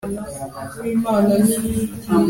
ahabwa amafaranga angana n umushahara